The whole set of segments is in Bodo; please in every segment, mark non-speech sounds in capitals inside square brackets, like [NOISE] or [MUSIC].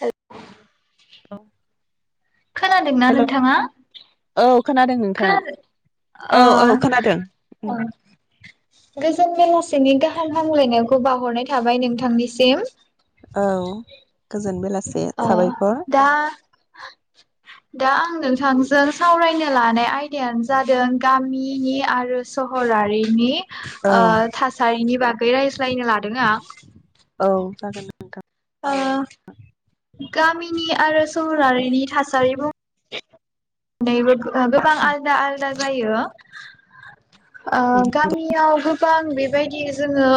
हेल हेल' खोनादोंना नोंथाङा? औ खोनादों नोंथां खोनादों [INAUDIBLE] अ औ औ खोनादों। ओ गोजोन बेला सेनि गाहाम हामलायनाय खौ बावहरनाय थाबाय नोंथांनिसिम। औ गोजोन बेला अ दा दा आं नोंथांजों सावरायनो लानाय आयदायानो जादों गामिनि आरो सहरारि नि औ थासारिनि बागै रायज्लायनो लादों आं औ जागोन नोंथां ओ गामिनि आरो सहरारिनि थासारि बु नैबो गोबां आलदा आलदा जायो। आ गामियाव ग [INAUDIBLE] बां बेबायदि जोंङो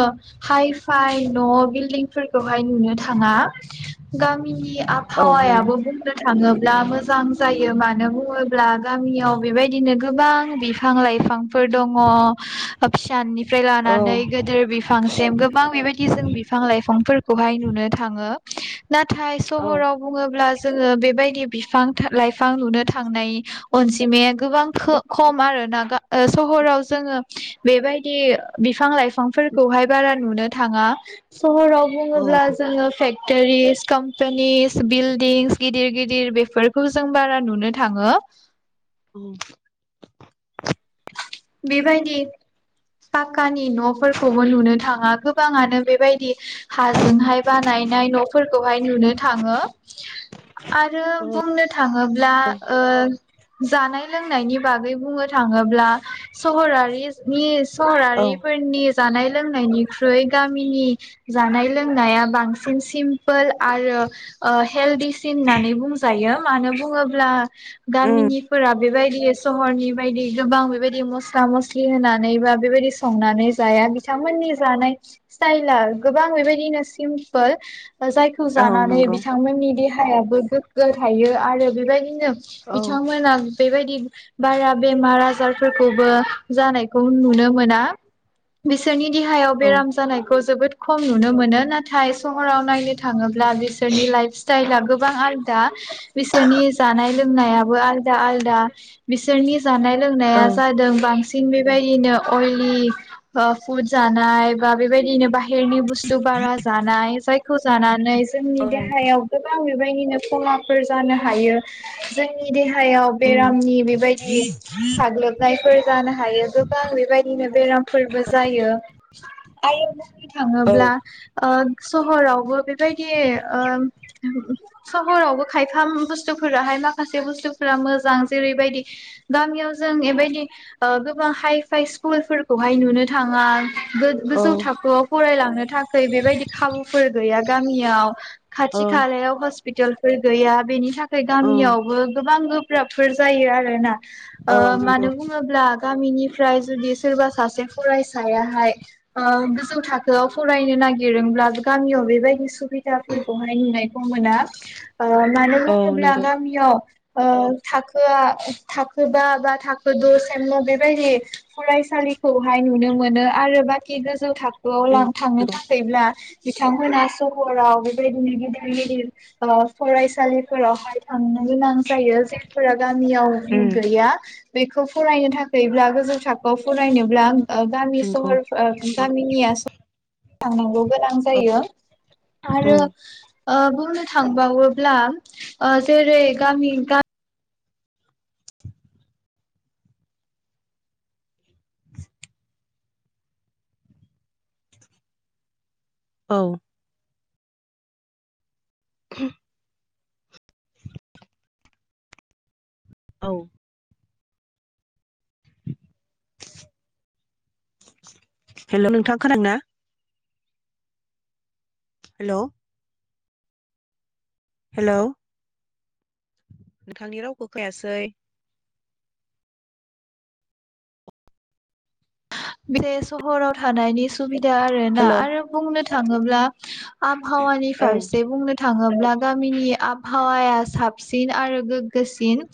हाइ फाइ न' बिल्डिंफोरखौहाय नुनो थांङा, गामिनि औ नंगौ आबफावायाबो बुंनो थांङोब्ला मोजां जायो मानो फोरब्ला गामियाव बेबायदिनो गोबां बिफां लाइफां फोर दंङ फिसनिफ्राय औ लानानै गोदोर बिफांसिम गोबां बेबायदि जों बिफां लाइफांफोरखौहाय नुनो थांङो। नाथाय औ सहराव बुंङोब्ला जोङो बेबायदि बिफां लाइफां लुनो थांनाय अनजिमाया गोबां खो खम आरोना सहराव जोंङो बेबायदि बिफां लाइफांफोरखौहाय बारा नुनो थांङा। सहराव औ बुंङोब्ला जोंङो फेख टेरिस कम्पानिस बिल्डिंस गिदिर गिदिर बेफोरखौ जों बारा नुनो थांङो। उम बेबायदि पाक्कानि न'फोरखौबो नुनो थांङा गोबांङानो बेबायदि हाजोंहाय बानायनाय न'फोरखौहाय नुनो थांङो। आरो औ बुंनो थांङोब्ला ओ जानाय लोंनायनि बागै बुंङो थां थांङोब्ला सहरारिजनि औ सरारिफोरनि जानाय लोंनायनिख्रुइ गामिनि जानाय लोंनाया बांसिन सिम हमपोल आरो हेल्डिसिन होननानै बुंजायो। मानो बुंङोब्ला उम गामिनिफोरा बेबायदि ग सहनि बेबायदि गोबां बेबायदि मस्ला मस्लि होनानै बा बेबायदि संनानै जाया बिथांमोननि जानाय स्टाइल गोबां बेबायदिनो सिमपोल जायखौ औ जानानै नंगौ बिथांमोननि देहा हायाबो गोग्गो थायो आरो बेबायदिनो नो औ बिथांमोना बेबायदि बारा बेमार आजारफोरखौबो जानायखौ नुनो मोना। बिसोरनि देहायाव औ बेराम जानायखौ जोबोद खम नुनो मोनो नाथाय सहराव नायनो थाङो ब्ला बिसोरनि लाइफ स्ताइला गोबां आलदा बिसोरनि जानाय जोमनायाबो आलदा आलदा बिसोरनि जानाय औ लोंनाया जादों बांस सिन बेबायदिनो अइलि ओ फुड जानाय बा बेबायदिनो बाहेरनि बुस्थु बारा जानाय जाय खौ जानानै औ जोंनि देहायाव गोबा आ बेबायदिनो खहाफोर जानो हायो जोंनि देहा सायाव उम बेरामनि बेबायदि साग्लोबनायफोर जानो हायो गोबां बेबायदिनो बेरामफोरबो जायो आयो औ थांङोब्ला ओ सहरावबो बेबायदि ओ सहरावबो खायफा बुस्थुफोराहाय माखासे बुस्थुफोरा मोजां जेरैबायदि गामियाव जों एबायदि ओ गोबां हाइ फाइ स्कुलफोरखौहाय नुनो थाङा। गो औ गोजौ थाखोआव फरायलां नो था खै बेबायदि खाबुफोर गैया। गामियाव खाथि औ खालायाव हस पिटालफोर गैया बेनि थाख खैर गामियावबो गोबां गोब [UNINTELLIGIBLE] जायो आरो ना। ओ औ मानो नंगौ बुङोब्ला गा गामिनिफ्राय जुदि सोरबा सासे फरायसायाहाय ओ गोजौ थाखोआव फरायनो नागिरदोंब्ला गामियाव बेबायदि सुब बिदाफोरखौहाय नुनायखौ मोना ओ मानो औ होनोब्ला नंगौ गामियाव ओ थाखो आ थाखो बा बा थाखो द' सेम बेबायदि फरायसालिखौहाय नुनो मोनो आरो बाखि गोजौ थाख खोआव उम लां थांनो नंगौ थाखायब्ला बिथांमोना सहराव बेबायदिनो गिदिर गिदिर ओ फरायसालिफोरावहाय थांनो गोनां जायो जेफोरा गामियाव उम गैया। बेखौ फरायनो थाखैब्ला गोजौ थाखोआव फरायनोब्ला गामि नंगौ सहर गामिनिया सहराव थांनांगौ गोनां औ जायो आरो उम ओ बुंनो थांबावोब्ला ओ जेरै गामि गा [INAUDIBLE] औ [INAUDIBLE] औ हेलौ' नोंथाङा खोनादों ना? हेलौ हेलौ नोंथांनि रावखौ खोनायासै। बिदि सहराव थानायनि सुबिदा दा आरो ना हेलौ आरो बुंनो थाखाय थाङोब्ला आबहावानि औ फारसे बुंनो थाङोब्ला गामिनि आबहावाया साबसिन आरो गो गोसिन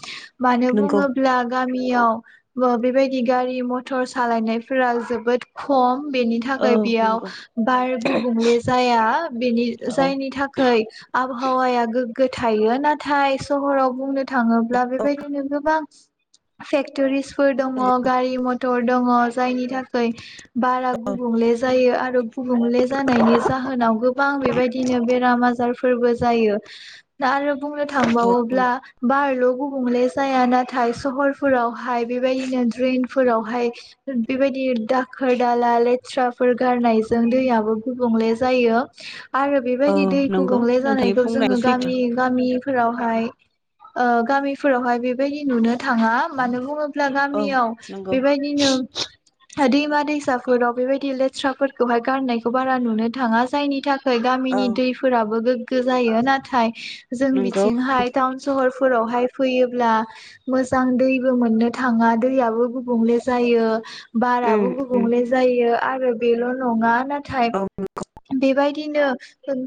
मानो नंगौ बुङोब्ला गा मियाव ओ बेबायदि गारि मथर सालायनाय फोरा जोबोद खम बेनि औ थाखाय बेयाव नंगौ बार गुबुंले जाया बेनि औ जायनि थाखाय आबहावाया गोग गोथायो नाथाय सहराव बुंनो थाङोब्ला बेबायदिनो गोबां फेक्ट'रिस फोर दङ नंगौ गारि मथ टर दङ जायनि थाखै बारा औ गुबुंले जायो आरो गुबुंले जानायनि जाहोनाव गोबां बेबायदिनो बेराम आजार फोरबो जायो दा आरो बुंनो थांबावोब्ला नंगौ बारल' गुबुंले जाया नाथाय सहरफोरावहाय बेबायदिनो ड्रेन फोरावहाय बेबायदि दाखोर दाला लेथ्राफोर गारनायजों दैयाबो गुबुंले जायो आरो औ बेबायदि दै नंगौ गुबुंले नोंथांनि जानायखौ बुंनायाबो जोङो सैथो गामि-गामि फोरावहाय ब्ला औ गामियाव नंगौ बेबायदिनो हा दैमा दैसाफोराव बेबायदि लेथ्राफोरखौहाय गारनायखौ बारा नुनो थाङा जायनि थाख खै औ गामिनि दैफोराबो गोग्गो जायो नाथाय जों नंगौ बिथिंहाय टाउन सहरफोरावहाय फैयोब्ला मोजां दैबो मोननो थाङा दैयाबो गुबुंले जायो। उम बाराबो उम गुबुंले जायो। आरो बेल' नङा ना थाय औ बेबाय दिनो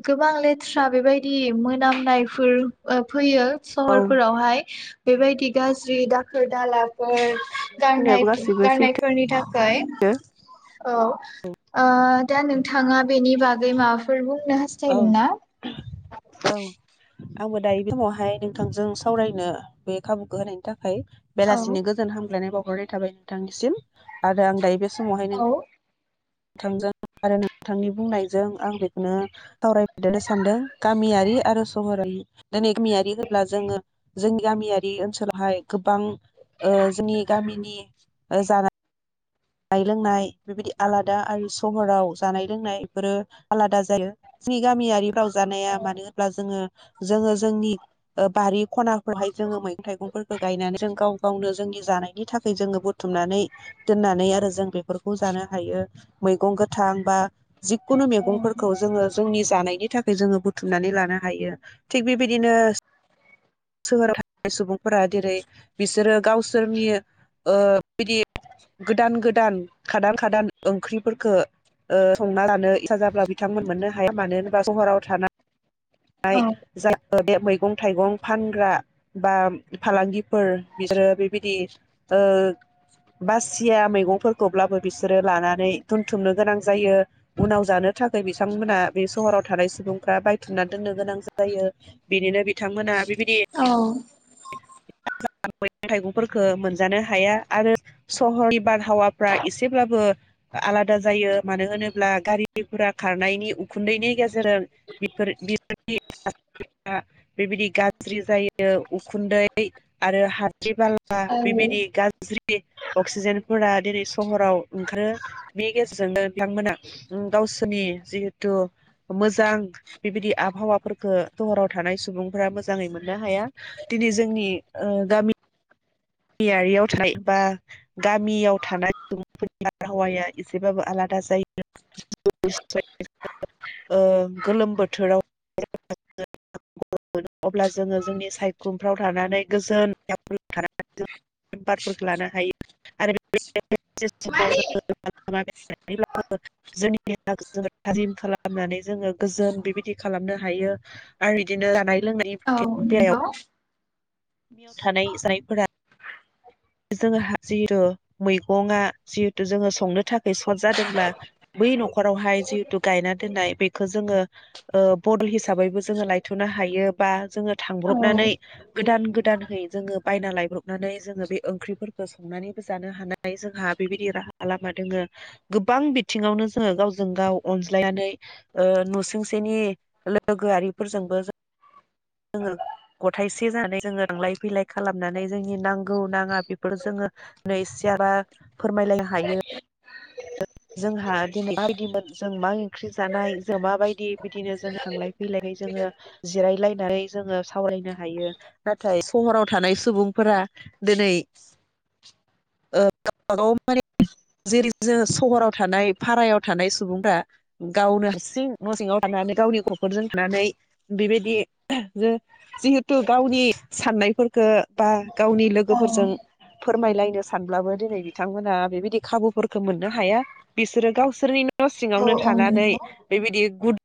गोबां लेथ्रा बेबायदि मोनामनायफोर ओ फैयो औ सहरफोरावहाय बेबायदि गाज्रि दाखोर दाला फोर गारनाय बुंनायाबो फिन गासैबो गारनाय सैथो फोरनि थाखै औ ओ दा नोंथाङा बेनि बागै माबाफोर बुं नो औ हास्थायदोंना? औ आंबो दायो बे समावहाय नोंथांजों सावरायनो बे खाबुखौ होनायनि थाख खाय औ बेलासिनि गोजोन हामग्लायनाय बाव हरनाय थाबाय नोंथांनिसिम आरो आं दायो बेस समावहाय नों औ नोंथांजों आरो नोंथांनि बुंनायजों आं बेखौनो सावरायदनो सानदों गामियारि आरो सहरारि दिनै गामियारि होब्ला जोङो जोंनि गामियारि ओनसोलावहाय गोबां ओ जोंनि गामिनि जाना जानाय लोंनाय बेबायदि आलादा आरो सहराव जानाय लोंनायफोरो आलादा जायो जोंनि गामियारिफ्राव जानाया मानो होनब्ला जोङो जोङो जोंनि बारि खनाफोरावहाय जोङो मैगं थाइगंफोरखौ गायनानै जों गाव गावनो जोंनि जानायनि थाखाय जोङो बुथुमनानै दोननानै आ आरो जों बेफोरखौ जानो हायो मैगं गोथां बा जिखुनु मैगंफोरखौ जोङो जोंनि जानायनि थाखाय जोङो बुथुमनानै लानो हायो थिग बेबायदिनो सोहोराव थानाय सुबुंफोरा जेरै बिसोरो गावसोरनि ओ बिदि गोदान गोदान दान खादान खादान ओंख्रिफोरखो संना जानो इसा जाब्ला बिथांमोन मोननो हाया मानो होनबा सहराव थानाय आइ जा बे मैगं थाइगं फानग्रा बा फालांगिफोर बिसोरो बेबायदि ओ बासिया मैगंफोरखौब्लाबो बिसोरो लानानै दोनथुमनो गोनां जायो उनाव जानो थाखाय बिथांमोना बे सहराव थानाय सुबुंफ्रा बायथुमना दोननो गोनां जायो बिदिनो बिथांमोना बेबायदि औ [UNINTELLIGIBLE] थाइगंफोरखौ मोनजानो हाया आरो सहरनि बारहावाफ्रा एसेब्लाबो आलादा जायो मानो होनोब्ला गारि गुरा खारनायनि उखुन्दैनि गेजे जेरै बिफोर बि [UNINTELLIGIBLE] बेबायदि गाज्रि जायो उखुन्दै आरो हा [UNINTELLIGIBLE] बाला बेबायदि गाज्रि अक्सिजेनफोरा दिनै सहराव ओंखारो बे गेजेरजोंनो बिथांमोना गावसोरनि जिहेथु मोजां बेबायदि आबहावाखो सहराव थानाय सुबुंफोरा मोजाङै मोननो हाया दिनै जों नि गामि गामियारियाव थानाय बा गामियाव थानाय [UNINTELLIGIBLE] बारहावाया एसेबाबो आलादा जायो [UNINTELLIGIBLE] ओ गोलोम बोथोराव [UNINTELLIGIBLE] अब्ला जोङो जोंनि सायखुमफ्राव थानानै गोजोनै [UNINTELLIGIBLE] बारफोरखो लानो हायो आरो बे [UNINTELLIGIBLE] थाजिम खालामनानै जोङो गोजोन बेबायदि खालामनो हायो आरो बिदिनो जानाय औ लोंनायनि नंगौ बेयाव थानाय जायफोरा जोंहा जिहेतु मैगंआ जिहेतु जोङो संनो थाखाय सर्ट जादोंब्ला बै न'खरावहाय जिहेतु गायना दोननाय बेखौ जोङो ओ बदल हिसाबैबो जोङो लायथ'नो हायो बा जोङो औ थांब्रबनानै गोदान गोदानहै जोङो बायना लायब्रबनानै जोङो बे ओंख्रिफोरखौ संनानैबो जानो हानाय जोंहा बेबायदि राहा लामा दोङो गोबां बिथिङावनो जोङो गावजों गाव अनज्लायनानै ओ नुसोंसेनि लोगोआरिफोरजोंबो जोङो गथायसे जानानै जोङो थांलाय फैलाय खालामनानै जोंनि नांगौ नाङा बेफोर जोङो नै सियारा फोरमायलायनो हायो। जोंहा दिनै माबायदिमोन जों मा ओंख्रि जानाय जों माबायदि बिदिनो जों थांलाय फैलायै जोङो जिरायलायनानै जोङो सावरायनो हायो नाथाय सहराव थानाय सुबुंफोरा दिनै ओ [UNINTELLIGIBLE] गाव माने जेरै जों सहराव थानाय भारायाव थानाय सुबुंफ्रा गावनो हारसिं न' सिङाव थानानै गावनि न'खरजों थानानै बेबायदि जिहेथु गावनि साननायफोरखो बा गावनि औ लोगोफोरजों फोरमायलायनो सानब्लाबो दिनै बिथांमोना बेबायदि खाबु फोरखो मोननो हाया बिसोरो गावसोरनि न' औ सिङावनो औ थानानै नंगौ बेबायदि गु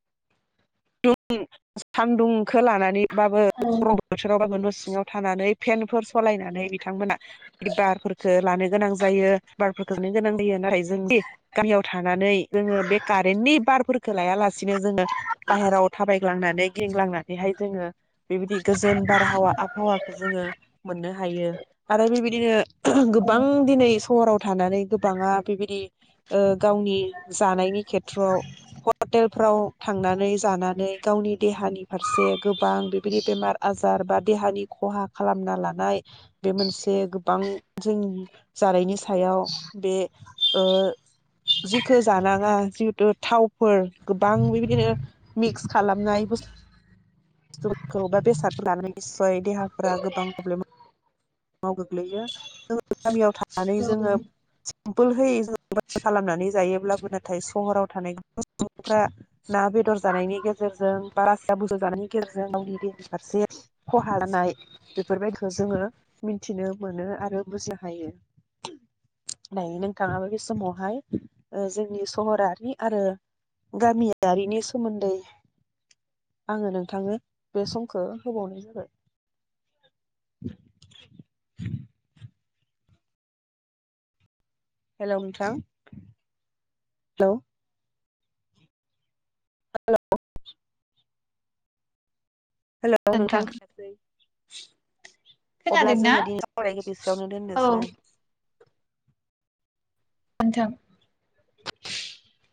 दुं सान्दुंखौ लानानै बाबो औ गरम बो गरमबाबो न' सिङाव थानानै फेनफोर सलायनानै बिथांमोना बे बारफोरखौ लानो गोनां जायो बारफोरखौ लानो गोनां जायो नाथाय जों बे गामियाव थानानै जोङो बे कारेन्टनि बारफोरखौ लायालासेनो जोङो बाहेराव थाबायग्लांनानै गिदिंग्लांनानैहाय जोङो बेबायदि गोजोन बारहावा आबहावाखौ जोङो मोननो हायो आरो बेबायदिनो गोबां दिनै सहराव थानानै गोबाङा बेबायदि गावनि जानायनि खेट्रआव हटेलफ्राव थां नानै जानानै गावनि देहानि फारसे गोबां बेबायदि बेमार आजार बा देहानि खहा खालामना लानाय बे मोनसे गोबां जों जानायनि सायाव बे जिखौ जानाङा जिहेथु थावफोर गोबां बेबायदिनो मिक्स खालामनाय बुस्टु खौ बा बेसादफोर लानो निसय देहाफोरा गोबां प्रब्लेमाव गोग्लैयो जों गामियाव थांनाय नानै औ जोङो [UNINTELLIGIBLE] होयै जल खालामनानै जायोब्लाबो नाथाय सहराव थानाय गोबां सुबुंफ्रा ना बेदर बेदर जानायनि गेजेरजों बारासिया [UNINTELLIGIBLE] जानायनि गेजेरजों गावनि देहानि फारसे खहाजानाय बेफोरबायदिखौ जोङो मिथिनो मोनो आरो बुजिनो हायो। दायो नोंथाङाबो बे समावहाय जोंनि सहरारि आरो गामियारिनि [UNINTELLIGIBLE] सोमोन्दै आङो नोंथांनो बे समखौ होबावनाय जाबाय। हेलौ नोंथां हेलौ। हेलौ। हेलौ नोंथां खोनायासै अब्ला खोनादोंना जोङो दिनै सावरानायखौ बेसेयावनो औ दोननोसै। [UNINTELLIGIBLE]